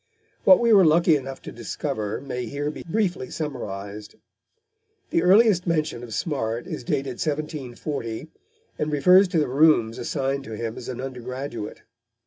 What we were lucky enough to discover may here be briefly summarised. The earliest mention of Smart is dated 1740, and refers to the rooms assigned to him as an undergraduate.